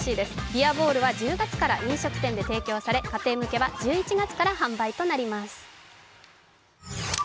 ビアボールは１０月から飲食店で提供され、家庭向けは１１月から販売となります。